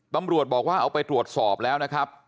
ตำรวจบอกว่าเอาไปตรวจสอบแล้วนะครับ